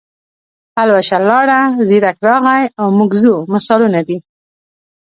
پلوشه لاړه، زیرک راغی او موږ ځو مثالونه دي.